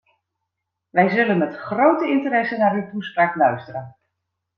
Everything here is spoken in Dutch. Wij zullen met grote interesse naar uw toespraak luisteren.